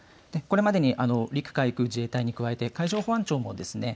これまでに陸海空自衛隊に加えて海上保安庁もですね